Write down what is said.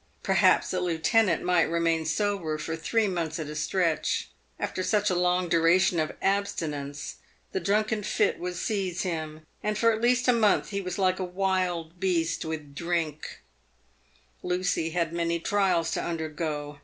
Perhaps the lieutenant might remain sober for three months at a stretch. After such a long duration of abstinence the drunken fit would seize him, and for at least a month he was like a wild beast with drink. PAVED WITH GOLD. 371 Lucy had many trials to undergo.